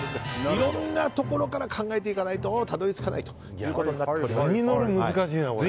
いろんなところから考えていかないとたどり着かないということになっております。